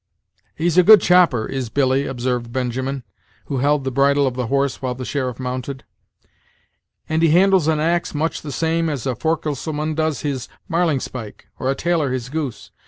"He's a good chopper, is Billy," observed Benjamin, who held the bridle of the horse while the sheriff mounted; "and he handles an axe much the same as a forecastleman does his marling spike, or a tailor his goose.